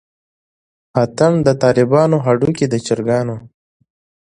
اتڼ دطالبانو هډوکے دچرګانو